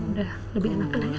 udah lebih enak enak